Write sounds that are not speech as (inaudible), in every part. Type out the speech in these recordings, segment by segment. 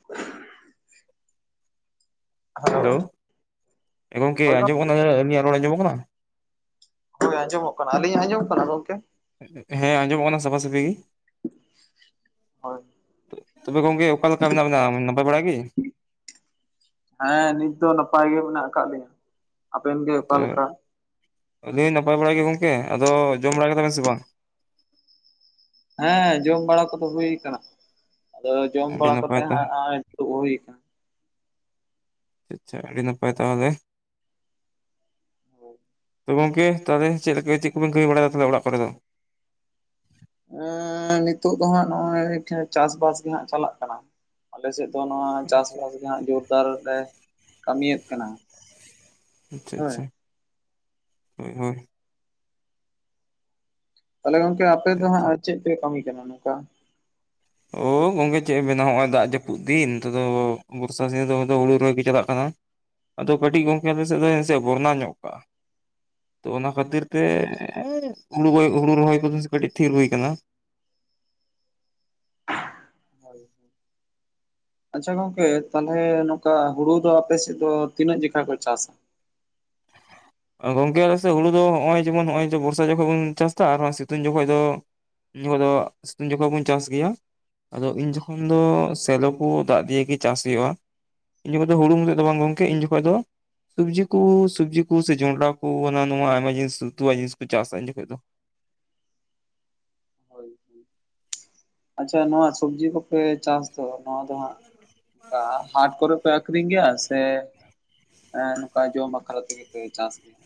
(unintelligible) Hello ᱮ ᱜᱚᱝᱠᱮ ᱦᱳᱭ ᱟᱸᱡᱚᱢᱚᱜ ᱜᱚᱢᱠᱮ ᱠᱟᱱᱟ ᱟᱹᱞᱤᱧᱟᱜ ᱨᱚᱲ ᱟᱸᱡᱚᱢᱚᱜ ᱠᱟᱱᱟ? ᱦᱳᱭ ᱟᱸᱡᱚᱢᱚᱜ ᱠᱟᱱᱟ᱾ ᱟᱹᱞᱤᱧᱟᱜ ᱟᱸᱡᱚᱢᱚᱜ ᱠᱟᱱᱟ ᱜᱚᱝᱠᱮ? ᱦᱮᱸ ᱟᱸᱡᱚᱢᱚᱜ ᱠᱟᱱᱟ ᱥᱟᱯᱷᱟ ᱥᱟᱹᱯᱷᱤ ᱜᱮ᱾ ᱦᱳᱭ᱾ ᱛᱚᱵᱮ ᱜᱚᱝᱠᱮ ᱚᱠᱟ ᱞᱮᱠᱟ ᱢᱮᱱᱟᱜ ᱵᱤᱱᱟ ᱱᱟᱯᱟᱭ ᱵᱟᱲᱟ ᱜᱤ? ᱦᱮᱸ ᱱᱤᱛ ᱫᱚ ᱱᱟᱯᱟᱭ ᱜᱮ ᱢᱮᱱᱟᱜ ᱠᱟᱜ ᱞᱤᱧᱟ᱾ ᱟᱵᱮᱱ ᱜᱮ ᱚᱠᱟ ᱞᱮᱠᱟ? ᱟᱹᱞᱤ ᱱᱟᱯᱟᱭ ᱵᱟᱲᱟ ᱜᱮ ᱜᱚᱝᱠᱮ᱾ ᱟᱫᱚ ᱡᱚᱢ ᱵᱟᱲᱟ ᱠᱮᱫᱟ ᱵᱮᱱ ᱥᱮ ᱵᱟᱝ? ᱦᱮᱸ ᱡᱚᱢ ᱵᱟᱲᱟ ᱠᱚᱫᱚ ᱦᱩᱭ ᱠᱟᱱᱟ, ᱟᱫᱚ ᱡᱚᱢ ᱟᱹᱰᱤ ᱵᱟᱲᱟ ᱱᱟᱯᱟᱭ ᱠᱟᱛᱮᱜ ᱛᱟ ᱦᱟᱸᱜ ᱦᱚᱸᱜᱼᱚᱭ ᱫᱩᱲᱩᱵ ᱦᱩᱭ ᱠᱟᱱᱟ᱾ ᱟᱪᱪᱷᱟ, ᱟᱹᱰᱤ ᱱᱟᱯᱟᱭ ᱛᱟᱦᱚᱞᱮ᱾ ᱛᱚ ᱜᱚᱝᱠᱮ ᱛᱟᱦᱚᱞᱮ ᱪᱮᱫ ᱞᱮᱠᱟ ᱪᱮᱫ ᱠᱚᱵᱤᱱ ᱠᱟᱹᱢᱤ ᱵᱟᱲᱟᱭᱫᱟ ᱛᱟᱦᱚᱞᱮ ᱚᱲᱟᱜ ᱠᱚᱨᱮ ᱫᱚ? ᱮᱸ ᱱᱤᱛᱚᱜ ᱫᱚ ᱦᱟᱸᱜ ᱱᱚᱜᱼᱚᱭ ᱪᱟᱥᱼᱵᱟᱥ ᱜᱮ ᱦᱟᱸᱜ ᱪᱟᱞᱟᱜ ᱠᱟᱱᱟ᱾ ᱟᱞᱮ ᱥᱮᱫ ᱫᱚ ᱱᱚᱣᱟ ᱪᱟᱥᱼᱵᱟᱥ ᱜᱮ ᱦᱟᱸᱜ ᱡᱳᱨᱫᱟᱨ ᱞᱮ ᱠᱟᱹᱢᱤᱭᱮᱫ ᱠᱟᱱᱟ᱾ ᱟᱪᱪᱷᱟ ᱦᱳᱭ ᱟᱪᱪᱷᱟ, ᱦᱳᱭ ᱦᱳᱭ᱾ ᱛᱟᱦᱚᱞᱮ ᱜᱚᱝᱠᱮ ᱟᱯᱮ ᱫᱚ ᱦᱟᱸᱜ ᱪᱮᱫ ᱯᱮ ᱠᱟᱹᱢᱤ ᱠᱟᱱᱟ ᱱᱚᱝᱠᱟ? ᱳ ᱠᱚᱝᱜᱮ ᱪᱮᱫ ᱮᱢ ᱢᱮᱱᱟ ᱦᱚᱜᱼᱚᱭ ᱫᱟᱜ ᱡᱟᱹᱯᱩᱫ ᱫᱤᱱ ᱱᱤᱛᱚᱜ ᱫᱚ ᱵᱚᱨᱥᱟ ᱥᱤᱱ ᱫᱚ ᱫᱚ ᱦᱩᱲᱩ ᱨᱚᱦᱚᱭ ᱜᱮ ᱪᱟᱞᱟᱜ ᱠᱟᱱᱟ᱾ ᱟᱫᱚ ᱠᱟᱹᱴᱤᱡ ᱜᱚᱝᱠᱮ ᱟᱞᱮ ᱥᱮᱫ ᱫᱚ ᱵᱚᱨᱱᱟ ᱧᱚᱜ ᱠᱟᱜᱼᱟ᱾ ᱛᱚ ᱚᱱᱟ ᱠᱷᱟᱹᱛᱤᱨ ᱛᱮ ᱦᱩᱲᱩ ᱦᱩᱲᱩ ᱨᱚᱦᱚᱭ ᱠᱚᱫᱚ ᱠᱟᱹᱴᱤᱡ ᱛᱷᱤᱨ ᱦᱩᱭ ᱠᱟᱱᱟ᱾ ᱦ ᱟᱪᱪᱷᱟ ᱜᱚᱝᱠᱮ ᱛᱟᱦᱚᱞᱮ ᱱᱚᱝᱠᱟ ᱦᱩᱲᱩ ᱫᱚ ᱟᱯᱮ ᱥᱮᱫ ᱫᱚ ᱛᱤᱱᱟᱹᱜ ᱡᱮᱠᱷᱟ ᱠᱚ ᱪᱟᱥᱟ? ᱜᱚᱝᱠᱮ ᱟᱞᱮ ᱥᱮ ᱦᱩᱲᱩ ᱫᱚ ᱦᱚᱸᱜᱼᱚᱭ ᱡᱮᱢᱚᱱ ᱦᱚᱸᱜᱼᱚᱭ ᱵᱚᱨᱥᱟ ᱡᱚᱠᱷᱚᱡ ᱵᱚᱱ ᱪᱟᱥᱫᱟ ᱟᱨ ᱥᱤᱛᱩᱝ ᱡᱚᱠᱷᱚᱡ ᱫᱚ ᱩᱱ ᱡᱚᱠᱚ ᱫᱚ ᱥᱤᱛᱩᱝ ᱡᱚᱠᱷᱚᱡ ᱵᱚᱱ ᱪᱟᱥ ᱜᱮᱭᱟ, ᱟᱫᱚ ᱤᱱ ᱡᱚᱠᱷᱚᱱ ᱫᱚ ᱥᱮᱞᱳ ᱠᱩ ᱫᱟᱜ ᱫᱤᱭᱮ ᱜᱮ ᱪᱟᱥ ᱦᱩᱭᱩᱜᱼᱟ᱾ ᱤᱱ ᱡᱚᱠᱷᱚᱡ ᱫᱚ ᱦᱩᱲᱩ ᱢᱚᱛᱚᱡ ᱫᱚ ᱵᱟᱝ ᱜᱚᱝᱠᱮ ᱤᱧ ᱡᱚᱠᱷᱚᱡ ᱫᱚ ᱥᱚᱵᱽᱡᱤ ᱠᱩ ᱥᱚᱵᱡᱤ ᱠᱩ ᱥᱮ ᱡᱚᱱᱰᱨᱟ ᱠᱩ ᱦᱟᱸᱱᱟ ᱱᱚᱶᱟ ᱟᱭᱢᱟ ᱡᱤᱱᱤᱥ ᱩᱛᱩᱣᱟᱜ ᱡᱤᱱᱤᱥ ᱠᱩ ᱪᱟᱥᱟ ᱩᱱ ᱡᱚᱠᱷᱚᱡ ᱫᱚ᱾ ᱦᱳᱭ ᱦᱳᱭ ᱟᱪᱪᱷᱟ ᱱᱚᱣᱟ ᱥᱚᱵᱽᱡᱤ ᱠᱚᱯᱮ ᱪᱟᱥ ᱫᱚ ᱱᱚᱣᱟ ᱫᱚ ᱦᱟᱸᱜ ᱦᱟᱴ ᱠᱚᱨᱮ ᱯᱮ ᱟᱠᱷᱨᱤᱧ ᱜᱮᱭᱟ ᱥᱮ ᱱᱚᱝᱠᱟ ᱡᱚᱢ ᱵᱟᱠᱷᱨᱟ ᱛᱮᱜᱮ ᱯᱮ ᱪᱟᱥ ᱜᱮᱭᱟ?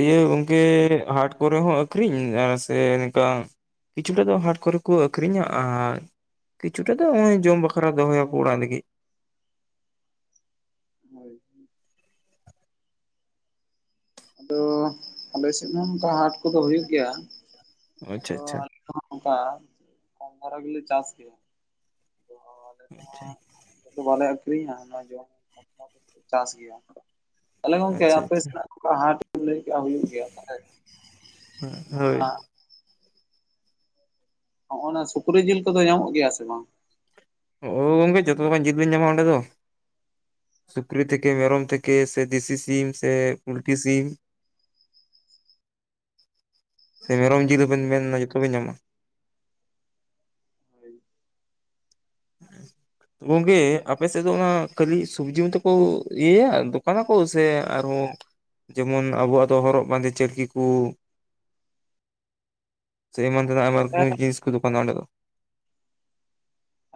ᱤᱭᱟᱹ ᱜᱚᱝᱠᱮ ᱦᱟᱴ ᱠᱚᱨᱮ ᱦᱚᱸ ᱟᱹᱠᱷᱨᱤᱧ ᱟᱨ ᱥᱮ ᱱᱚᱝᱠᱟ ᱠᱤᱪᱷᱩᱴᱟ ᱫᱚ ᱦᱟᱴ ᱠᱚᱨᱮ ᱠᱚ ᱟᱹᱠᱷᱨᱤᱧᱟ ᱟᱨ ᱠᱤᱪᱷᱩᱴᱟ ᱫᱚ ᱦᱚᱜᱼᱚᱭ ᱡᱚᱢ ᱵᱟᱠᱷᱨᱟ ᱫᱚᱦᱚᱭᱟᱠᱚ ᱚᱲᱟᱜ ᱞᱟᱹᱜᱤᱫ᱾ ᱦᱳᱭ ᱟᱫᱚ ᱟᱞᱮ ᱥᱮᱫ ᱢᱟ ᱚᱱᱠᱟ ᱦᱟᱴ ᱠᱚᱫᱚ ᱦᱩᱭᱩᱜ ᱜᱮᱭᱟ᱾ ᱟᱪᱪᱷᱟ ᱟᱫᱚ ᱟᱪᱪᱷᱟ ᱟᱞᱮ ᱦᱚᱸ ᱚᱱᱠᱟ ᱠᱚᱢ ᱫᱷᱟᱨᱟ ᱜᱮᱞᱮ ᱪᱟᱥ ᱜᱮᱭᱟ᱾ ᱟᱞᱮ ᱦᱚᱸ ᱱᱚᱣᱟ ᱵᱟᱞᱮ ᱟᱹᱠᱷᱨᱤᱧᱟ ᱱᱚᱣᱟ ᱡᱚᱢ (inaudible) ᱪᱟᱥ ᱜᱮᱭᱟ᱾ ᱛᱟᱦᱚᱞᱮ ᱜᱚᱝᱠᱮ ᱟᱪᱪᱷᱟ ᱟᱯᱮ ᱟᱪᱪᱷᱟ ᱥᱮᱱᱟᱜ ᱚᱱᱠᱟ ᱦᱟᱴ ᱞᱟᱹᱭ ᱠᱮᱜᱼᱟ ᱦᱩᱭᱩᱜ ᱜᱮᱭᱟ‌ ᱛᱟᱦᱚᱞᱮ ᱱᱚᱣᱟ ᱦᱳᱭ ᱦᱚᱸᱜᱚᱼᱱᱟ ᱥᱩᱠᱨᱤ ᱡᱤᱞ ᱠᱚᱫᱚ ᱧᱟᱢᱚᱜ ᱜᱮᱭᱟ ᱥᱮ ᱵᱟᱝ? ᱳ ᱜᱚᱝᱠᱮ ᱡᱷᱚᱛᱚ ᱞᱮᱠᱟᱱ ᱡᱤᱞ ᱵᱤᱱ ᱧᱟᱢᱟ ᱚᱸᱰᱮ ᱫᱚ᱾ ᱥᱩᱠᱨᱤ, ᱛᱷᱮᱠᱮ ᱢᱮᱨᱚᱢ, ᱛᱷᱮᱠᱮ ᱥᱮ ᱫᱮᱥᱤ ᱥᱤᱢ, ᱥᱮ ᱞᱩᱴᱤ ᱥᱤᱢ, ᱥᱮ ᱢᱮᱨᱚᱢ ᱡᱤᱞ ᱫᱚᱵᱮᱱ ᱢᱮᱱᱟ ᱡᱷᱚᱛᱚ ᱵᱤᱱ ᱧᱟᱢᱟ᱾ (inaudible) ᱜᱚᱝᱠᱮ ᱟᱯᱮ ᱥᱮᱫ ᱫᱚ ᱚᱱᱟ ᱠᱷᱟᱹᱞᱤ ᱥᱚᱵᱽᱡᱤ ᱢᱚᱛᱚ ᱠᱚ ᱤᱭᱟᱹᱭᱟ ᱫᱚᱠᱟᱱᱟᱠᱚ ᱥᱮ ᱟᱨᱦᱚᱸ ᱡᱮᱢᱚᱱ ᱟᱵᱚᱣᱟᱜ ᱫᱚ ᱦᱚᱨᱚᱜ ᱵᱟᱸᱫᱮ ᱪᱟᱹᱴᱠᱤ ᱠᱚ ᱪᱮ ᱮᱢᱟᱱ ᱛᱮᱱᱟᱜ ᱟᱭᱢᱟ ᱨᱚᱠᱚᱢ ᱡᱤᱱᱤᱥ ᱠᱚ ᱫᱚᱠᱟᱱ ᱚᱸᱰᱮ ᱫᱚ?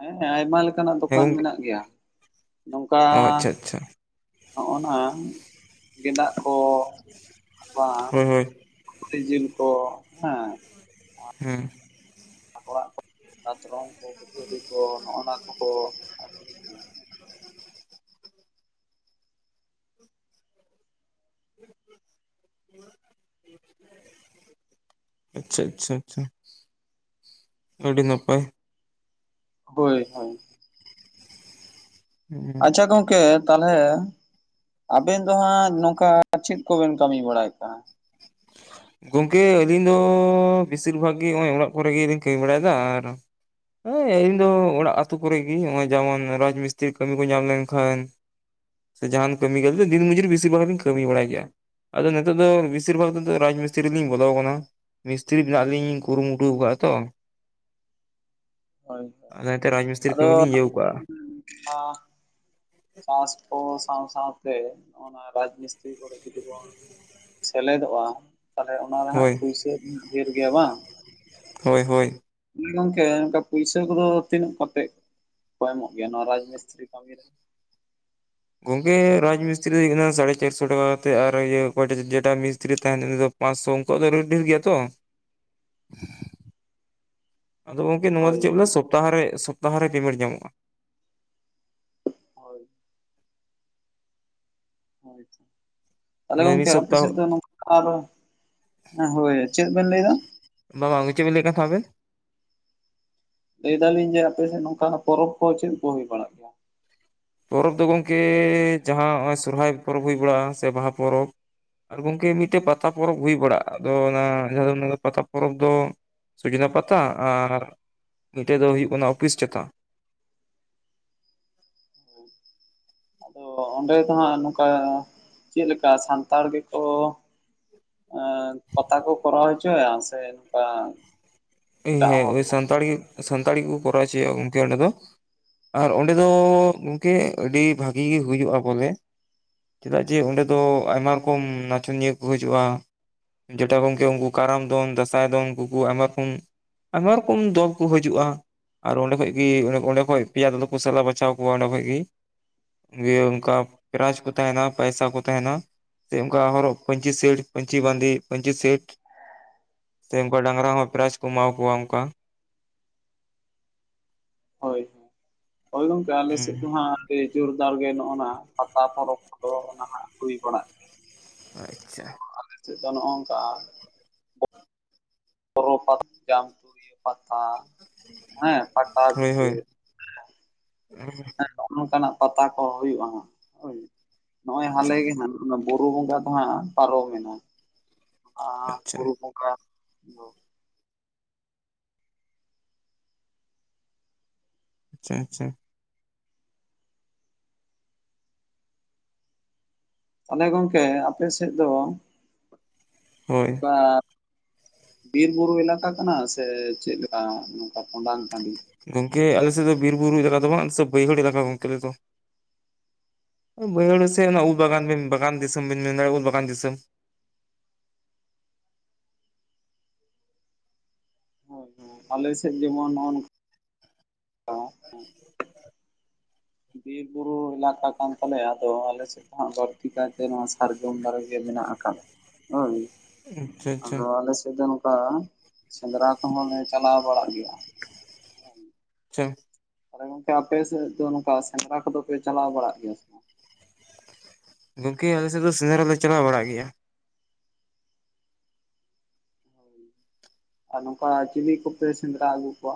ᱦᱮᱸ ᱟᱭᱢᱟ ᱞᱮᱠᱟᱱᱟᱜ ᱦᱮᱸ ᱫᱚᱠᱟᱱ ᱜᱚᱝᱠᱮ ᱢᱮᱱᱟᱜ ᱜᱮᱭᱟ ᱱᱚᱝᱠᱟ ᱚ ᱟᱪᱪᱷᱟ ᱟᱪᱪᱷᱟ ᱦᱚᱸᱜᱚᱼᱱᱟ ᱜᱮᱫᱟᱜ ᱠᱚ ᱟᱨ ᱦᱳᱭ ᱦᱳᱭ ᱥᱩᱠᱨᱤ ᱡᱤᱞ ᱠᱚ ᱦᱮᱸ᱾ ᱦᱩᱸ ᱚᱲᱟᱜ ᱠᱚ ᱫᱟᱛᱨᱚᱢ ᱠᱚ (unintelligible) ᱠᱚ ᱱᱚᱜ-ᱚ ᱱᱚᱣᱟ ᱠᱚ (inaudible) ᱟᱪᱪᱷᱟ ᱟᱪᱪᱷᱟ ᱟᱪᱪᱷᱟ ᱟᱹᱰᱤ ᱱᱟᱯᱟᱭ ᱦᱳᱭ ᱟᱪᱪᱷᱟ ᱜᱚᱝᱠᱮ ᱛᱟᱦᱞᱮ ᱟᱵᱮᱱ ᱫᱚ ᱦᱟᱸᱜ ᱱᱚᱝᱠᱟ ᱪᱮᱫ ᱠᱚᱵᱮᱱ ᱠᱟᱹᱢᱤ ᱵᱟᱲᱟᱭ ᱠᱟᱱᱟ᱾ ᱜᱚᱝᱠᱮ ᱟᱹᱞᱤᱧ ᱫᱚ ᱵᱮᱥᱤᱨ ᱵᱷᱟᱜᱽ ᱜᱮ ᱱᱚᱜ-ᱚᱭ ᱚᱲᱟᱜ ᱠᱚᱨᱮ ᱜᱮᱞᱤᱧ ᱠᱟᱹᱢᱤ ᱵᱟᱲᱟᱭᱮᱫᱟ ᱟᱨ ᱦᱮᱸ ᱤᱧ ᱫᱚ ᱚᱲᱟᱜ ᱟᱛᱩ ᱠᱚᱨᱮᱜᱤ ᱱᱚᱜ-ᱚᱭ ᱡᱮᱢᱚᱱ ᱨᱟᱡᱽ ᱢᱤᱥᱛᱤᱨᱤ ᱠᱟᱹᱢᱤ ᱠᱩ ᱧᱟᱢ ᱞᱮᱱᱠᱷᱟᱱ ᱥᱮ ᱡᱟᱦᱟᱱ ᱠᱟᱹᱢᱤ ᱠᱚᱫᱚ ᱫᱤᱱ ᱢᱚᱡᱩᱨᱤ ᱵᱤᱥᱤᱨ ᱵᱷᱟᱜᱽ ᱞᱤᱧ ᱠᱟᱹᱢᱤ ᱵᱟᱲᱟᱭ ᱜᱮᱭᱟ᱾ ᱟᱫᱚ ᱱᱤᱛᱳᱜ ᱫᱚ ᱵᱤᱥᱤᱨ ᱵᱷᱟᱜᱽ ᱨᱟᱡᱽ ᱢᱤᱥ ᱢᱤᱥᱛᱨᱤ ᱞᱤᱧ ᱵᱚᱞᱚ ᱟᱠᱟᱱᱟ ᱢᱤᱥᱛᱤᱨᱤ ᱵᱤᱱᱟᱜ ᱞᱤᱧ ᱠᱩᱨᱩᱢᱩᱴᱩ ᱠᱟᱜᱼᱟ ᱛᱚ᱾ ᱦᱳᱭ ᱦᱳᱭ ᱚᱱᱟ ᱛᱮ ᱨᱟᱡᱽᱢᱤᱥᱛᱨᱤ ᱠᱟᱹᱢᱤ ᱞᱤᱧ ᱤᱭᱟᱹ ᱠᱟᱜ-ᱟ᱾ ᱟ ᱪᱟᱥ ᱠᱚ ᱥᱟᱶ ᱥᱟᱶᱛᱮ ᱱᱚᱜ-ᱚ ᱱᱚᱣᱟ ᱨᱟᱡᱽ ᱢᱤᱥᱛᱨᱤ ᱠᱚᱨᱮ ᱡᱩᱫᱤ ᱵᱚᱱ᱾ ᱥᱮᱞᱮᱫᱚᱜ-ᱟ ᱛᱟᱞᱦᱮ ᱚᱱᱟ ᱨᱮ ᱦᱟᱸᱜ ᱦᱳᱭ ᱯᱩᱭᱥᱟᱹ ᱰᱷᱮᱨ ᱜᱮᱭᱟ ᱵᱟᱝ᱾ ᱦᱳᱭ ᱦᱳᱭ ᱦᱮ ᱜᱚᱝᱠᱮ ᱚᱱᱠᱟ ᱯᱩᱭᱥᱟᱹ ᱠᱚᱫᱚ ᱛᱤᱱᱟᱹᱜ ᱠᱟᱛᱮ ᱠᱚ ᱮᱢᱚᱜ ᱜᱮᱭᱟ ᱱᱚᱣᱟ ᱨᱟᱡᱽ ᱢᱤᱥᱛᱨᱤ ᱠᱟᱢᱤ ᱨᱮ ᱜᱚᱝᱠᱮ ᱨᱟᱡᱽ ᱢᱤᱥᱛᱤᱨᱤ ᱫᱚ ᱦᱩᱭᱩᱜ ᱠᱟᱱᱟ ᱥᱟᱲᱮ ᱪᱟᱨᱥᱚ ᱴᱟᱠᱟ ᱠᱟᱛᱮ ᱟᱨ ᱤᱭᱟᱹ ᱚᱠᱚᱭᱴᱟᱜ ᱡᱮᱴᱟ ᱢᱤᱥᱛᱤᱨᱤ ᱛᱟᱦᱮᱸᱱ ᱫᱚ ᱩᱱᱤ ᱫᱚ ᱯᱟᱸᱥᱥᱚ ᱩᱝᱠᱩᱣᱟᱜ ᱫᱚ ᱨᱮᱴ ᱰᱷᱤᱨ ᱜᱮᱭᱟ ᱛᱚ ᱟᱫᱚ ᱜᱚᱢᱠᱮ ᱱᱚᱣᱟ ᱫᱚ ᱦᱳᱭ ᱪᱮᱫ ᱵᱚᱞᱮ ᱥᱚᱯᱛᱟᱦᱚ ᱨᱮ ᱥᱚᱯᱛᱟᱦᱚ ᱨᱮ ᱯᱮᱢᱮᱱᱴ ᱧᱟᱢᱚᱜ-ᱟ᱾ ᱦᱳᱭ᱾ ᱦᱳᱭ ᱛᱟᱦᱞᱮ ᱜᱚᱝᱠᱮ ᱢᱤᱫ ᱟᱯᱮ ᱥᱚᱯᱛᱟᱦᱚ ᱥᱮᱫ ᱫᱚ ᱱᱚᱝᱠᱟ ᱫᱚ, ᱦᱳᱭ ᱪᱮᱫ ᱵᱮᱱ ᱞᱟᱹᱭ ᱫᱟ? ᱵᱟ ᱵᱟᱝ ᱪᱮᱫ ᱵᱤᱱ ᱞᱟᱹᱭ ᱠᱟᱱ ᱛᱟᱦᱮᱸ ᱟᱵᱮᱱ? ᱞᱟᱹᱭ ᱫᱟᱞᱤᱧ ᱡᱮ ᱟᱯᱮᱥᱮᱫ ᱱᱚᱝᱠᱟᱱᱟᱜ ᱯᱚᱨᱚᱵ ᱠᱚ ᱪᱮᱫ ᱠᱚ ᱦᱩᱭ ᱵᱟᱲᱟᱜ-ᱟ? ᱯᱚᱨᱚᱵ ᱫᱚ ᱜᱚᱝᱠᱮ ᱡᱟᱦᱟᱸ ᱱᱚᱜ-ᱚᱭ ᱥᱚᱨᱚᱦᱟᱭ ᱯᱚᱨᱚᱵ ᱦᱩᱭ ᱵᱟᱲᱟᱜᱼᱟ ᱥᱮ ᱵᱟᱦᱟ ᱯᱚᱨᱚᱵ ᱟᱨ ᱜᱚᱢᱠᱮ ᱢᱤᱫᱴᱮᱡ ᱯᱟᱛᱟ ᱯᱚᱨᱚᱵ ᱦᱩᱭ ᱵᱟᱲᱟᱜᱼᱟ, ᱟᱫᱚ ᱚᱱᱟ ᱡᱟᱦᱟᱸ ᱫᱚ ᱯᱟᱛᱟ ᱯᱚᱨᱚᱵ ᱫᱚ ᱥᱩᱡᱱᱟ ᱯᱟᱛᱟ ᱟᱨ ᱢᱤᱫᱴᱮᱡ ᱫᱚ ᱦᱩᱭᱩᱜ ᱠᱟᱱᱟ ᱚᱯᱤᱥ ᱪᱟᱛᱟ᱾ ᱟᱫᱚ ᱚᱸᱰᱮ ᱫᱚ ᱦᱟᱸᱜ ᱱᱚᱝᱠᱟ ᱪᱤᱫ ᱞᱮᱠᱟ ᱥᱟᱱᱛᱟᱲ ᱜᱮᱠᱚ ᱮᱸ ᱯᱟᱛᱟ ᱠᱚ ᱠᱚᱨᱟᱣ ᱦᱚᱪᱚᱭᱟ ᱥᱮ ᱱᱚᱝᱠᱟ ᱦᱮᱸ ᱮᱴᱟᱜ ᱦᱚᱲ ᱦᱮᱸ ᱠᱚ ᱥᱟᱱᱛᱟᱲ ᱜᱮ ᱥᱟᱱᱛᱟᱲ ᱜᱮᱠᱚ ᱠᱚᱨᱟᱣ ᱦᱚᱪᱚᱭᱮᱫᱟ ᱜᱚᱝᱠᱮ ᱚᱸᱰᱮ ᱫᱚ᱾ ᱟᱨ ᱚᱸᱰᱮ ᱫᱚ ᱜᱚᱝᱠᱮ ᱟᱹᱰᱤ ᱵᱷᱟᱜᱤ ᱜᱮ ᱦᱩᱭᱩᱜᱼᱟ ᱵᱚᱞᱮ᱾ ᱪᱮᱫᱟᱜ ᱡᱮ ᱚᱸᱰᱮ ᱫᱚ ᱟᱭᱢᱟ ᱨᱚᱠᱚᱢ ᱱᱟᱪᱚᱱᱤᱭᱟᱹ ᱠᱚ ᱦᱤᱡᱩᱜᱼᱟ᱾ ᱡᱮᱴᱟ ᱜᱚᱝᱠᱮ ᱩᱝᱠᱩ ᱠᱟᱨᱟᱢ ᱫᱚᱱ ᱫᱟᱸᱥᱟᱭ ᱫᱚᱱ ᱩᱝᱠᱩ ᱟᱭᱢᱟ ᱨᱚᱠᱚᱢ ᱟᱭᱢᱟ ᱲᱚᱠᱚᱢ ᱫᱚᱞ ᱠᱚ ᱦᱤᱡᱩᱜᱼᱟ᱾ ᱟᱨ ᱚᱸᱰᱮ ᱠᱷᱚᱡ ᱜᱤ ᱚᱸᱰᱮ ᱠᱷᱚᱡ ᱯᱮᱭᱟ ᱫᱚᱞ ᱠᱚ ᱥᱟᱞᱟ ᱵᱟᱪᱷᱟᱣ ᱠᱚᱣᱟ ᱚᱸᱰᱮ ᱠᱷᱚᱡ ᱜᱤ᱾ ᱫᱤᱭᱮ ᱩᱝᱠᱟ ᱯᱨᱟᱭᱤᱡ ᱠᱚ ᱛᱟᱦᱮᱸᱱᱟ ᱯᱟᱭᱥᱟ ᱠᱚ ᱛᱟᱦᱮᱸᱱᱟ᱾ ᱥᱮ ᱚᱝᱠᱟ ᱦᱚᱨᱚᱜ ᱯᱟᱧᱪᱤ ᱥᱮᱴ ᱯᱟᱧᱪᱤ ᱵᱟᱸᱫᱤ ᱯᱟᱧᱪᱤ ᱥᱮᱴ ᱥᱮ ᱚᱝᱠᱟ ᱰᱟᱝᱨᱟ ᱦᱚᱸ ᱯᱨᱟᱭᱤᱡ ᱠᱚ ᱮᱢᱟᱣᱟ ᱠᱩᱣᱟ ᱚᱝᱠᱟ ᱦᱳᱭ ᱦᱳᱭ ᱜᱚᱝᱠᱮ ᱟᱞᱮ ᱦᱩᱸ ᱥᱮᱫ ᱫᱚ ᱦᱟᱸᱜ ᱥᱮ ᱡᱳᱨᱫᱟᱨ ᱜᱮ ᱱᱚᱜᱼᱱᱟ ᱯᱟᱛᱟ ᱯᱚᱨᱚᱵᱽ ᱠᱚᱫᱚ ᱱᱟᱦᱟᱜ ᱦᱩᱭ ᱵᱟᱲᱟᱜ ᱟᱪᱪᱷᱟ᱾ ᱟᱞᱮ ᱥᱮᱫ ᱫᱚ ᱱᱚᱜ ᱚᱝᱠᱟ ᱵᱚᱨᱚ ᱯᱟᱛᱟ ᱡᱟᱢ ᱛᱩᱨᱤᱭᱟᱹ ᱯᱟᱛᱟ ᱦᱮᱸ ᱯᱟᱴᱟᱵᱤᱫᱟᱹ ᱩᱸ᱾ ᱱᱚᱜᱼᱚ ᱱᱚᱝᱠᱟᱱᱟᱜ ᱯᱟᱛᱟ ᱠᱚ ᱦᱩᱭᱩᱜᱼᱟ ᱦᱟᱸᱜ ᱦᱳᱭ, ᱱᱚᱜᱼᱚᱭ ᱟᱪᱪᱷᱟ ᱦᱟᱞᱮ ᱜᱮ ᱦᱟᱸᱜ ᱚᱱᱟ ᱵᱩᱨᱩ ᱵᱚᱸᱜᱟ ᱫᱚ ᱦᱟᱸᱜ ᱯᱟᱨᱚᱢᱮᱱᱟ ᱟᱻ ᱟᱪᱪᱷᱟ ᱵᱩᱨᱩ ᱵᱚᱸᱜᱟ ᱫᱚ ᱟᱪᱪᱷᱟ ᱟᱪᱪᱷᱟ᱾ ᱛᱟᱦᱞᱮ ᱜᱚᱝᱠᱮ ᱟᱯᱮ ᱥᱮᱫ ᱫᱚ ᱦᱳᱭ᱾ ᱚᱱᱠᱟ ᱵᱤᱨ ᱵᱩᱨᱩ ᱮᱞᱟᱠᱟ ᱠᱟᱱᱟ ᱥᱮ ᱪᱮᱫᱞᱮᱠᱟ ᱱᱚᱝᱠᱟ ᱴᱚᱰᱟᱝ ᱴᱟᱺᱰᱤ ᱜᱚᱝᱠᱮ ᱟᱞᱮᱥᱮᱫ ᱫᱚ ᱵᱤᱨ ᱵᱩᱨᱩ ᱮᱞᱟᱠᱟ ᱫᱚ ᱵᱟᱝ ᱟᱞᱮᱫᱚ ᱵᱟᱹᱭᱦᱟᱹᱲ ᱮᱞᱟᱠᱟ ᱜᱚᱝᱠᱮ ᱟᱞᱮ ᱫᱚ᱾ ᱵᱟᱹᱭᱦᱟᱹᱲ ᱥᱮᱫ ᱚᱱᱟ ᱩᱞ ᱵᱟᱜᱟᱱ ᱵᱤᱱ ᱵᱟᱜᱟᱱ ᱫᱤᱥᱚᱢ ᱵᱤᱱ ᱢᱮᱱ ᱫᱟᱲᱮᱼᱟ ᱩᱞ ᱵᱟᱜᱟᱱ ᱫᱤᱥᱚᱢ᱾ ᱦᱳᱭ ᱡᱳᱭ ᱟᱞᱮ ᱥᱮᱫ ᱡᱮᱢᱚᱱ ᱱᱚᱜᱼᱚ ᱱᱚᱝ ᱵᱤᱨ ᱵᱩᱨᱩ ᱮᱞᱟᱠᱟ ᱠᱟᱱ ᱛᱟᱞᱮᱭᱟ ᱟᱫᱚ ᱟᱞᱮᱥᱮᱫ ᱦᱟᱸᱜ ᱵᱟᱹᱲᱛᱤ ᱠᱟᱭᱛᱮ ᱱᱚᱣᱟ ᱥᱟᱨᱡᱚᱢ ᱫᱟᱨᱮ ᱜᱮ ᱢᱮᱱᱟᱜ ᱟᱠᱟᱫ ᱦᱳᱭ᱾ ᱟᱪᱪᱷᱟ ᱟᱪᱪᱷᱟ ᱟᱫᱚ ᱟᱞᱮ ᱥᱮᱫ ᱫᱚ ᱱᱚᱝᱠᱟ ᱥᱮᱸᱫᱽᱨᱟ ᱠᱚᱦᱚᱸᱞᱮ ᱪᱟᱞᱟᱣ ᱵᱟᱲᱟᱜ ᱜᱮᱭᱟ᱾ ᱪᱦᱷᱮᱢ ᱛᱟᱦᱞᱮ ᱜᱚᱝᱠᱮ ᱟᱯᱮ ᱥᱮᱫ ᱫᱚ ᱱᱚᱝᱠᱟ ᱥᱮᱸᱫᱽᱨᱟ ᱠᱚᱫᱚ ᱯᱮ ᱪᱟᱞᱟᱣ ᱵᱟᱲᱟᱜ ᱜᱮᱭᱟ ᱥᱮ ᱵᱟᱝ? ᱜᱚᱝᱠᱮ ᱟᱞᱮᱥᱮᱫ ᱫᱚ ᱥᱮᱸᱫᱽᱨᱟ ᱞᱮ ᱪᱟᱞᱟᱣ ᱵᱟᱲᱟᱜ ᱜᱮᱭᱟ᱾ ᱟᱨ ᱱᱚᱝᱠᱟ ᱪᱤᱞᱤ ᱠᱚᱯᱮ ᱥᱮᱸᱫᱽᱨᱟ ᱟᱹᱜᱩ ᱠᱚᱣᱟ?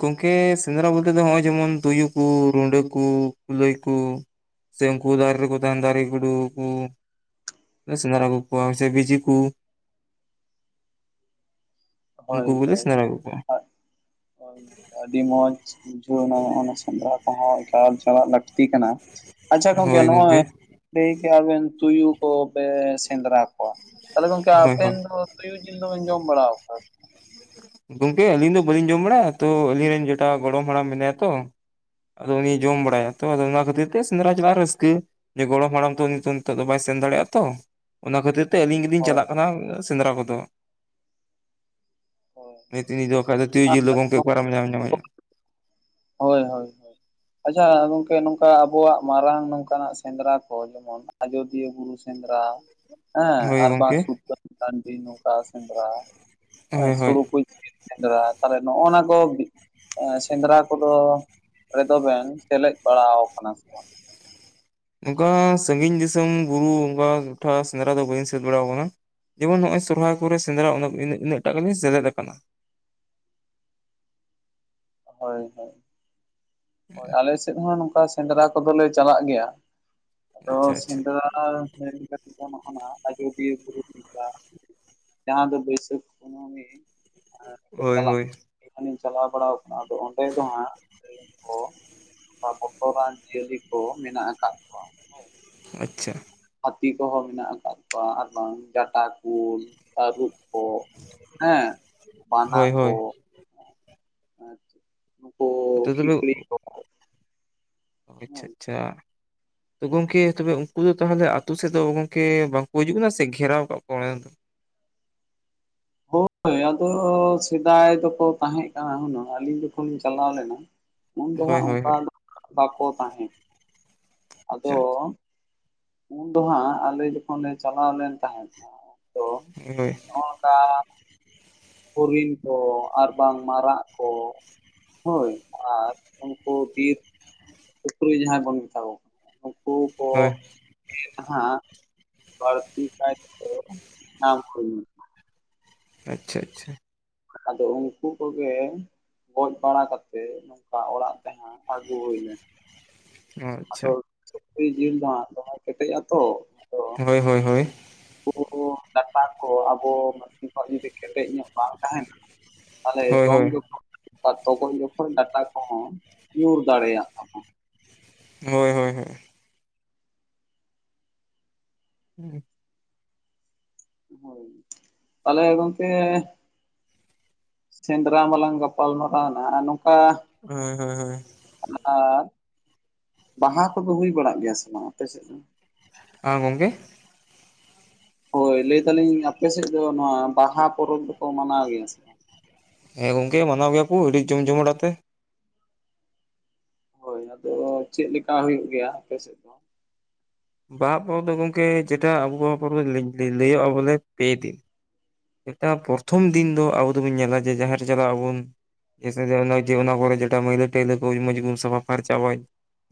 ᱜᱚᱢᱠᱮ ᱥᱮᱸᱫᱽᱨᱟ ᱵᱚᱞᱛᱮ ᱫᱚ ᱱᱚᱜᱼᱚᱭ ᱡᱮᱢᱚᱱ ᱛᱩᱭᱩ ᱠᱩ ᱨᱩᱰᱟᱹ ᱠᱩ ᱠᱩᱞᱟᱹᱭ ᱠᱩ ᱥᱮ ᱩᱝᱠᱩ ᱫᱟᱨᱮ ᱨᱮ ᱠᱚ ᱛᱟᱦᱮᱸᱱ ᱫᱟᱨᱮ ᱜᱩᱰᱩ ᱠᱩ ᱥᱨᱸᱫᱨᱟ ᱟᱜᱩ ᱠᱩᱣᱟ, ᱥᱮ ᱵᱤᱡᱤ ᱠᱚ ᱦᱳᱭ ᱩᱱᱠᱩ ᱠᱚᱞᱮ ᱦᱳᱭ, ᱥᱮᱸᱫᱽᱨᱟ ᱟᱹᱜᱩ ᱠᱚᱣᱟ ᱳᱭ ᱱᱚᱝᱠᱟ ᱟᱹᱰᱤ ᱢᱚᱸᱡᱽ ᱾ ᱵᱩᱷᱟᱹᱣ ᱚᱱᱟ ᱥᱮᱸᱫᱽᱨᱟ ᱠᱚᱦᱚᱸ ᱮᱠᱟᱞ ᱪᱟᱞᱟᱜ ᱞᱟᱹᱠᱛᱤ ᱠᱟᱱᱟ ᱾ ᱟᱪᱪᱷᱟ ᱜᱚᱝᱠᱮ ᱱᱚᱜᱼᱚᱭ ᱞᱟᱹᱭ ᱠᱮᱜ-ᱟ ᱵᱮᱱ ᱛᱩᱭᱩ ᱠᱚ ᱯᱮ ᱥᱮᱸᱫᱽᱨᱟ ᱛᱟᱦᱞᱮ ᱜᱚᱝᱠᱮ ᱦᱳᱭ ᱟᱵᱮᱱ ᱦᱳᱭ ᱫᱚ ᱛᱩᱭᱩ ᱡᱤᱞ ᱫᱚ ᱵᱮᱱ ᱡᱚᱢ ᱵᱟᱲᱟᱣ ᱠᱟᱫᱟ? ᱜᱚᱝᱠᱮ ᱟᱞᱤᱧ ᱫᱚ ᱵᱟᱟᱹᱞᱤᱧ ᱡᱚᱢ ᱵᱟᱲᱟᱭᱟ ᱛᱚ ᱟᱞᱤᱧ ᱨᱮᱱ ᱡᱮᱴᱟᱣ ᱜᱚᱲᱚᱢ ᱦᱟᱲᱟᱢ ᱢᱮᱱᱟᱭᱟ ᱛᱚ ᱟᱫᱚ ᱩᱱᱤᱭ ᱡᱚᱢ ᱵᱟᱲᱟᱭᱟ, ᱛᱚ ᱟᱫᱚ ᱚᱱᱟ ᱠᱷᱟᱹᱛᱤᱨ ᱛᱮ ᱥᱨᱸᱫᱨᱟ ᱪᱟᱞᱟᱜ ᱨᱟᱹᱥᱠᱟᱹ ᱾ ᱡᱮ ᱜᱚᱲᱚᱢ ᱦᱟᱲᱟᱢ ᱛᱚ ᱩᱱᱤ ᱛᱚ ᱱᱤᱛᱚᱜ ᱫᱚ ᱵᱟᱭ ᱥᱮᱱ ᱫᱟᱲᱮᱜᱼᱟ ᱛᱚ ᱾ ᱚᱱᱟ ᱠᱷᱟᱹᱛᱤᱨ ᱛᱮ ᱟᱹᱞᱤᱧ ᱜᱮᱞᱤᱧ ᱦᱳᱭ ᱪᱟᱞᱟᱜ ᱠᱟᱱᱟ ᱥᱮᱸᱫᱽᱨᱟ ᱠᱚᱫᱚ ᱾ ᱦᱳᱭ ᱱᱩᱭ ᱛᱤᱱᱤ ᱫᱚ ᱵᱟᱠᱷᱟᱡ ᱫᱚ ᱛᱩᱭᱩ ᱟᱨ ᱡᱤᱞ ᱫᱚ ᱜᱚᱢᱠᱮ ᱚᱠᱟᱨᱮᱢ ᱧᱟᱢ ᱧᱟᱢᱟᱭᱟ ᱾ ᱦᱳᱭ ᱦᱳᱭ ᱦᱳᱭ ᱾ ᱟᱪᱪᱷᱟ ᱜᱚᱝᱠᱮ ᱱᱚᱝᱠᱟ ᱟᱵᱚᱣᱟᱜ ᱢᱟᱨᱟᱝ ᱱᱚᱝᱠᱟᱱᱟᱜ ᱥᱮᱸᱫᱽᱨᱟ ᱠᱚ ᱡᱮᱢᱚᱱ ᱟᱡᱚᱫᱤᱭᱟᱹ ᱵᱩᱨᱩ ᱥᱮᱸᱫᱽᱨᱟ, ᱦᱮᱸ ᱦᱳᱭ ᱟᱨ ᱵᱟᱝ ᱜᱚᱝᱠᱮ ᱥᱩᱛᱟᱹᱱ ᱴᱟᱺᱰᱤ ᱱᱚᱝᱠᱟ ᱥᱮᱸᱫᱽᱨᱟ ᱦᱮᱸ ᱦᱳᱭ ᱾ (unintelligible) ᱥᱮᱸᱫᱽᱨᱟ ᱛᱟᱦᱞᱮ ᱱᱚᱜᱼᱚ ᱱᱟ ᱠᱚ ᱮᱸ ᱥᱮᱸᱫᱽᱨᱟ ᱠᱚᱫᱚ ᱨᱮᱫᱚ ᱵᱮᱱ ᱥᱮᱞᱮᱫ ᱵᱟᱲᱟ ᱟᱠᱟᱱᱟ ᱥᱮ ᱵᱟᱝ? ᱱᱚᱝᱠᱟ ᱥᱟᱺᱜᱤᱧ ᱫᱤᱥᱚᱢ ᱵᱩᱨᱩ ᱚᱝᱠᱟ ᱴᱚᱴᱷᱟ ᱥᱮᱸᱫᱽᱨᱟ ᱫᱚ ᱵᱟᱹᱧ ᱥᱮᱱ ᱵᱟᱲᱟ ᱟᱠᱟᱱᱟ ᱾ ᱡᱮᱢᱚᱱ ᱱᱚᱜᱼᱚᱭ ᱥᱚᱨᱦᱟᱭ ᱠᱚᱨᱮ ᱥᱮᱸᱫᱽᱨᱟ ᱤᱱᱟᱹᱜ ᱴᱟᱜ ᱜᱮᱞᱤᱧ ᱥᱮᱞᱫ ᱟᱠᱟᱱᱟ ᱾ ᱦᱳᱭ ᱦᱳᱭ, ᱦᱳᱭ ᱟᱞᱮ ᱥᱮᱫ ᱦᱚᱸ ᱱᱚᱝᱠᱟ ᱥᱮᱸᱫᱨᱟ ᱠᱚᱫᱚ ᱞᱮ ᱪᱟᱞᱟᱜ ᱜᱮᱭᱟ ᱟᱫᱚ ᱟᱪᱪᱷᱟ ᱟᱪᱪᱷᱟ ᱥᱮᱸᱫᱨᱟ (unintelligible) ᱞᱮᱠᱟᱛᱮ ᱛᱮᱫᱚ ᱱᱚᱜ-ᱚᱱᱟ ᱟᱡᱚᱫᱤᱭᱟᱹ ᱵᱩᱨᱩ ᱥᱮᱸᱫᱨᱟ ᱡᱟᱦᱟᱸ ᱫᱚ ᱵᱟᱹᱭᱥᱟᱹᱠᱷ ᱠᱩᱱᱟᱹᱢᱤ ᱦᱳᱭ ᱪᱟᱞᱟᱜ ᱦᱳᱭ ᱡᱚᱠᱷᱚᱱᱤᱧ ᱪᱟᱞᱟᱣ ᱵᱟᱲᱟᱣ ᱟᱫᱚ ᱚᱸᱰᱮ ᱫᱚ ᱦᱟᱸᱜ ᱞᱟᱹᱭ ᱟᱠᱚ ᱚᱱᱠᱟ ᱵᱚᱛᱚᱨᱟᱱ ᱡᱤᱭᱟᱹᱞᱤ ᱠᱚ ᱢᱮᱱᱟᱜ ᱟᱠᱟᱫ ᱠᱚᱣᱟ ᱦᱳᱭ ᱟᱪᱪᱷᱟ ᱾ ᱦᱟᱹᱛᱤ ᱠᱚᱦᱚᱸ ᱢᱮᱱᱟᱜ ᱟᱠᱟᱫ ᱠᱚᱣᱟ, ᱟᱨ ᱵᱟᱝ ᱡᱟᱴᱟ, ᱠᱩᱞ, ᱛᱟᱹᱨᱩᱵ ᱾ ᱠᱚ ᱦᱮᱸ ᱵᱟᱱᱟ ᱦᱳᱭ ᱠᱚ ᱦᱳᱭ ᱾ ᱱᱩᱠᱩ ᱟᱫᱚ ᱛᱚᱵᱮ ᱠᱷᱤᱠᱲᱤ ᱠᱚ ᱚ ᱟᱪᱪᱷᱟ ᱟᱪᱪᱷᱟ ᱾ ᱛᱚ ᱜᱚᱝᱠᱮ ᱛᱚᱵᱮ ᱩᱱᱠᱩ ᱫᱚ ᱛᱟᱦᱚᱞᱮ ᱟᱛᱳ ᱥᱮᱫ ᱫᱚ ᱜᱚᱝᱠᱮ ᱵᱟᱝᱠᱚ ᱦᱤᱡᱩᱜ ᱠᱟᱱᱟ ᱥᱮ ᱠᱚ ᱜᱷᱮᱨᱟᱣ ᱟᱠᱟᱫ ᱠᱚᱣᱟ? ᱦᱳᱭ ᱟᱫᱚ ᱥᱮᱫᱟᱭ ᱫᱚᱠᱚ ᱛᱟᱦᱮᱸ ᱠᱟᱱᱟ ᱦᱩᱱᱟᱹᱝ ᱟᱹᱞᱤᱧ ᱫᱚ ᱡᱚᱠᱷᱚᱱ ᱤᱧ ᱪᱟᱞᱟᱣ ᱞᱮᱱᱟ ᱩᱱ ᱫᱚ ᱦᱳᱭ ᱦᱟᱸᱜ ᱦᱳᱭ ᱚᱱᱠᱟ ᱦᱳᱭ ᱫᱚ ᱵᱟᱠᱚ ᱛᱟᱦᱮᱸ ᱾ ᱟᱫᱚ ᱟᱪᱪᱷᱟ ᱩᱱ ᱫᱚ ᱦᱟᱸᱜ ᱟᱞᱮ ᱡᱚᱠᱷᱚᱱ ᱞᱮ ᱪᱟᱞᱟᱣ ᱞᱮᱱ ᱛᱟᱦᱮᱸᱫ ᱩᱱ ᱫᱚ ᱦᱳᱭ ᱾ ᱱᱚᱜ ᱚᱝᱠᱟ ᱦᱚᱨᱤᱱ ᱠᱚᱸ, ᱟᱨ ᱵᱟᱝ ᱢᱟᱨᱟᱜ ᱠᱚ ᱦᱳᱭ ᱟᱨ ᱩᱱᱠᱩ ᱵᱤᱨ ᱥᱩᱠᱨᱤ ᱡᱟᱦᱟᱸᱭ ᱵᱚᱱ ᱢᱮᱛᱟ ᱠᱚ ᱠᱟᱱᱟ ᱾ ᱦᱳᱭ ᱾ (unintelligible) ᱱᱟᱦᱟᱜ ᱵᱟᱹᱲᱛᱤ ᱠᱟᱭ ᱛᱮᱫᱚ (unintelligible) ᱟᱪᱪᱷᱟ ᱟᱪᱪᱷᱟ ᱾ ᱟᱫᱚ ᱩᱱᱠᱩ ᱠᱚᱜᱮ ᱜᱚᱡ ᱵᱟᱲᱟ ᱠᱟᱛᱮᱜ ᱚᱱᱠᱟ ᱚᱲᱟᱜ ᱛᱮ ᱦᱟᱸᱜ ᱟᱹᱜᱩ ᱦᱩᱭ ᱞᱮᱱᱟ ᱚ ᱾ ᱟᱪᱪᱷᱟ ᱟᱫᱚ ᱥᱩᱠᱨᱤ ᱡᱤᱞ ᱫᱚ ᱦᱟᱸᱜ ᱫᱚᱢᱮ ᱠᱮᱴᱮᱡ ᱟᱛᱚ ᱾ ᱦᱳᱭ ᱦᱳᱭ ᱦᱳᱭ (unintelligible) ᱰᱟᱴᱟ ᱠᱚ ᱟᱵᱚ ᱢᱟᱹᱱᱢᱤ ᱠᱚᱣᱟᱜ ᱡᱩᱫᱤ ᱠᱮᱴᱮᱡ ᱧᱚᱜ ᱵᱟᱝ ᱛᱟᱦᱮᱱᱟ ᱛᱟᱞᱦᱮ ᱦᱳᱭ ᱡᱚᱢ ᱦᱳᱭ ᱡᱚᱠᱷᱚᱱ ᱟᱨ ᱛᱚᱜᱚᱡ ᱡᱚᱠᱷᱚᱱ ᱰᱟᱴᱟ ᱠᱚᱦᱚᱸ ᱧᱩᱨ ᱫᱟᱲᱮᱭᱟᱜ ᱛᱟᱢᱟ ᱦᱳᱭ ᱦᱳᱭ ᱦᱳᱭ (unintelligible) ᱦᱳᱭ ᱛᱟᱦᱚᱞᱮ ᱜᱚᱝᱠᱮ ᱥᱮᱸᱫᱨᱟ ᱢᱟᱞᱟᱝ ᱜᱟᱯᱟᱞ ᱢᱟᱨᱟᱣ ᱱᱟ ᱟᱨ ᱱᱚᱝᱠᱟ ᱦᱳᱭ ᱦᱳᱭ ᱦᱳᱭ ᱚᱱᱟ ᱵᱟᱦᱟ ᱠᱚᱫᱚ ᱦᱩᱭ ᱵᱟᱲᱟᱜ ᱜᱮᱭᱟ ᱥᱮ ᱵᱟᱝ ᱟᱯᱮ ᱥᱮᱫ ᱫᱚ? ᱟ ᱜᱚᱝᱠᱮ ᱦᱳᱭ ᱞᱟᱹᱭ ᱫᱟᱞᱤᱧ ᱟᱯᱮ ᱥᱮᱫ ᱫᱚ ᱱᱚᱣᱟ ᱵᱟᱦᱟ ᱯᱚᱨᱚᱵᱽ ᱫᱚᱠᱚ ᱢᱟᱱᱟᱣ ᱜᱮᱭᱟ ᱥᱮ ᱵᱟᱝ? ᱦᱮᱸ ᱜᱚᱝᱠᱮ ᱢᱟᱱᱟᱣ ᱜᱮᱭᱟ ᱠᱩ ᱟᱹᱰᱤ ᱡᱚᱢ ᱡᱚᱢᱟᱴ ᱟᱛᱮ ᱦᱳᱭ ᱟᱫᱚ ᱪᱮᱫ ᱞᱮᱠᱟ ᱦᱩᱭᱩᱜ ᱜᱮᱭᱟ ᱟᱯᱮ ᱥᱮᱫ ᱫᱚ? ᱵᱟᱦᱟ ᱯᱚᱨᱚᱵᱽ ᱫᱚ ᱜᱚᱢᱠᱮ ᱡᱮᱴᱟ ᱟᱵᱚ (unintelligible) ᱞᱟᱹᱭᱚᱜᱼᱟ ᱵᱚᱞᱮ ᱯᱮ ᱫᱤᱱ ᱮᱴᱟ ᱯᱨᱚᱛᱷᱚᱢ ᱫᱤᱱ ᱫᱚ ᱟᱵᱚ ᱫᱚᱵᱚᱱ ᱧᱮᱞᱟ ᱡᱮ ᱡᱟᱦᱮᱨ ᱪᱟᱞᱟᱜ ᱟᱵᱚᱱ ᱡᱮᱭᱥᱮ (unintelligible) ᱚᱱᱟ ᱠᱚᱨᱮ ᱡᱮᱴᱟ ᱢᱟᱹᱭᱞᱟᱹ ᱴᱟᱹᱭᱞᱟᱹ ᱠᱚ ᱢᱚᱡᱽ ᱜᱮᱵᱚᱱ ᱥᱟᱯᱷᱟ ᱯᱷᱟᱨᱪᱟ ᱪᱟᱵᱟᱭ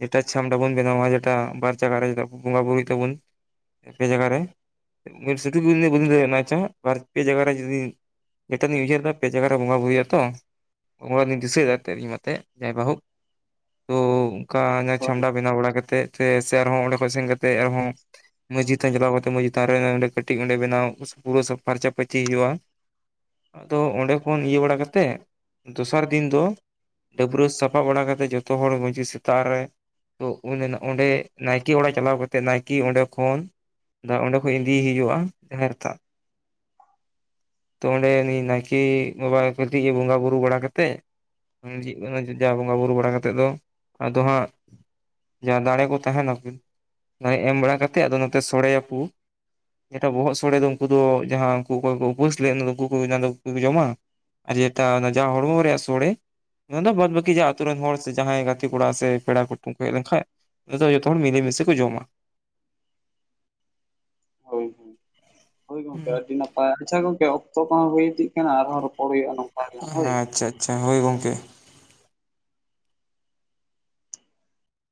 ᱡᱮᱴᱟ ᱪᱷᱟᱢᱰᱟ ᱵᱚᱱ ᱵᱮᱱᱟᱣᱟ ᱡᱮᱴᱟ ᱵᱟᱨ ᱡᱟᱜᱟ ᱨᱮ ᱵᱚᱸᱜᱟ ᱵᱩᱨᱩᱭ ᱛᱟᱵᱚᱱ ᱯᱮ ᱡᱟᱭᱜᱟ ᱨᱮ (unintelligible) ᱯᱮ ᱡᱟᱭᱜᱟ ᱨᱮ ᱡᱩᱫᱤ ᱱᱤᱛᱚᱜ ᱞᱤᱧ ᱩᱭᱦᱟᱹᱨ ᱮᱫᱟ ᱯᱮ ᱡᱟᱭᱜᱟᱨᱮ ᱵᱚᱸᱜᱟ ᱵᱩᱨᱩ ᱦᱩᱭᱩᱜᱼᱟᱛᱚ ᱚᱱᱠᱟ ᱜᱮᱞᱤᱧ ᱫᱤᱥᱟᱹᱭ ᱫᱟ ᱛᱮ ᱡᱟᱛᱮ ᱢᱚᱛᱮ ᱡᱟᱭ ᱵᱟᱹᱦᱩ ᱛᱚ ᱚᱱᱠᱟ ᱚᱱᱟ ᱦᱳᱭ ᱪᱷᱟᱢᱰᱟ ᱵᱮᱱᱟᱣ ᱵᱟᱲᱟ ᱠᱟᱛᱮᱜ ᱛᱮ ᱥᱮ ᱟᱨᱦᱚᱸ ᱚᱸᱰᱮ ᱠᱷᱚᱱ ᱥᱮᱱ ᱠᱟᱛᱮᱜ ᱟᱨᱦᱚᱸ ᱢᱟᱹᱡᱷᱤ ᱛᱷᱟᱱ ᱪᱟᱞᱟᱣ ᱠᱟᱛᱮᱫ ᱢᱟᱹᱡᱷᱤ ᱛᱷᱟᱱ ᱨᱮ ᱚᱸᱰᱮ ᱠᱟᱹᱴᱤᱡ ᱚᱸᱰᱮ ᱵᱮᱱᱟᱣ ᱯᱩᱨᱟᱹ ᱯᱷᱟᱨᱪᱟ ᱯᱷᱟᱹᱨᱪᱤ ᱦᱩᱭᱩᱜᱼᱟ ᱟᱫᱚ ᱚᱸᱰᱮ ᱠᱷᱚᱱ ᱤᱭᱟᱹ ᱵᱟᱲᱟ ᱠᱟᱛᱮᱫ ᱫᱚᱥᱟᱨ ᱫᱤᱱ ᱫᱚ ᱰᱟᱹᱵᱽᱨᱟᱹ ᱥᱟᱯᱷᱟ ᱵᱟᱲᱟ ᱠᱟᱛᱮᱫ ᱡᱚᱛᱚ ᱦᱚᱲ ᱢᱟᱹᱡᱷᱤ ᱥᱮᱛᱟᱜ ᱨᱮ ᱛᱚ ᱩᱱ ᱮᱱᱟᱜ ᱚᱸᱰᱮ ᱱᱟᱭᱠᱮ ᱚᱲᱟᱜ ᱪᱟᱞᱟᱣ ᱠᱟᱛᱮᱫ ᱱᱟᱭᱠᱮ ᱚᱸᱰᱮ ᱠᱷᱚᱱ ᱚᱸᱰᱮ ᱠᱷᱚᱡ ᱤᱫᱤᱭᱮ ᱦᱩᱭᱩᱜᱼᱟ ᱡᱟᱦᱮᱨ ᱛᱷᱟᱱ ᱛᱚ ᱚᱸᱰᱮ ᱩᱱᱤ ᱱᱟᱭᱠᱮ ᱵᱟᱵᱟ ᱠᱟᱹᱴᱤᱡ ᱮ ᱵᱚᱸᱜᱟ ᱵᱩᱨᱩ ᱵᱟᱲᱟ ᱠᱟᱛᱮᱜ ᱢᱟᱹᱡᱷᱤ ᱡᱟᱦᱮᱨ ᱵᱚᱸᱜᱟᱼᱵᱩᱨᱩ ᱵᱟᱲᱟ ᱠᱟᱛᱮᱫ ᱫᱚ ᱟᱫᱚ ᱦᱟᱸᱜ ᱡᱟᱦᱟᱸ ᱫᱟᱲᱮ ᱠᱚ ᱛᱟᱦᱮᱱᱟᱠᱤᱱ ᱚᱱᱟ ᱮᱢ ᱵᱟᱲᱟ ᱠᱟᱛᱮᱜ ᱟᱫᱚ ᱱᱚᱛᱮ ᱥᱚᱲᱮᱭᱟᱠᱩ ᱡᱮᱴᱟ ᱵᱚᱦᱚᱜ ᱥᱚᱲᱮ ᱫᱚ ᱩᱱᱠᱩ ᱫᱚ ᱡᱟᱦᱟᱸ ᱩᱱᱠᱩ ᱚᱠᱚᱭ ᱠᱚ ᱩᱯᱟᱹᱥ ᱞᱮᱫ ᱚᱱᱟ ᱫᱚ ᱩᱠᱩ ᱠᱚ ᱚᱱᱟ ᱫᱚ ᱩᱠᱩ ᱠᱚ ᱡᱚᱢᱟ ᱟᱨ ᱡᱮᱴᱟ ᱡᱟᱦᱟ ᱦᱚᱲᱢᱚ ᱨᱮᱭᱟᱜ ᱥᱳᱲᱮ ᱚᱱᱟ ᱫᱚ ᱵᱟᱫᱽ ᱵᱟᱹᱠᱤ ᱡᱟ ᱟᱹᱛᱩ ᱨᱮᱱ ᱦᱚᱲ ᱥᱮ ᱡᱟᱦᱟᱸᱭ ᱜᱟᱛᱮ ᱠᱚᱲᱟ ᱥᱮ ᱯᱮᱲᱟ ᱠᱩᱴᱩᱝ ᱠᱚ ᱦᱮᱡ ᱞᱮᱱᱠᱷᱟᱡ ᱟᱫᱚ ᱡᱚᱛᱚ ᱦᱚᱲ ᱢᱤᱞᱮ ᱢᱤᱥᱮ ᱠᱚ ᱡᱚᱢᱟ ᱦᱳᱭ ᱦᱳᱭ ᱜᱚᱝᱠᱮ ᱦᱮᱸ ᱟᱨ ᱫᱤᱱᱟᱹᱜ ᱟᱪᱪᱷᱟ ᱜᱚᱝᱠᱮ ᱚᱠᱛᱚ ᱠᱚᱦᱚᱸ ᱦᱩᱭ ᱤᱫᱤᱜ ᱠᱟᱱᱟ ᱟᱨᱦᱚᱸ ᱨᱚᱯᱚᱲ ᱦᱩᱭᱩᱜᱼᱟ ᱱᱚᱝᱠᱟ ᱾ ᱦᱮᱸ ᱟᱪᱪᱷᱟ ᱟᱪᱪᱷᱟ ᱦᱳᱭ ᱜᱚᱝᱠᱮ